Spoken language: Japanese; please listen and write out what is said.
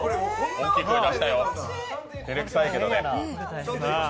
大きい声、出したよ照れくさいけどね。